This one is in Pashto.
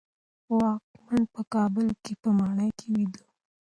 واکمن په کابل کې په ماڼۍ کې ویده و.